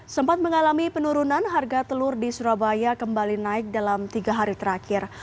sempat mengalami penurunan harga telur di surabaya kembali naik dalam tiga hari terakhir